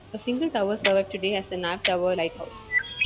A single tower survived today as the Nab Tower lighthouse.